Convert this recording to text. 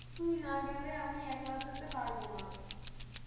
তুই না গেলে আমি একলা যেতে পারব না।